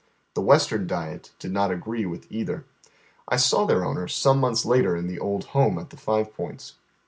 The Western diet did not agree with either. I saw their owner some months later in the old home at the Five Points.